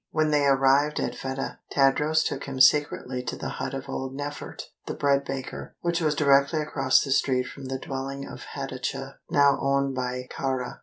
When they arrived at Fedah, Tadros took him secretly to the hut of old Nefert, the bread baker, which was directly across the street from the dwelling of Hatatcha, now owned by Kāra.